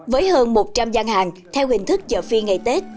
với hơn một trăm linh gian hàng theo hình thức chợ phiên ngày tết